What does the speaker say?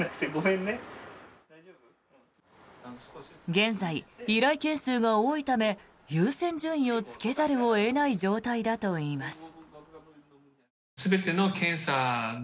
現在、依頼件数が多いため優先順位をつけざるを得ない状態だといいます。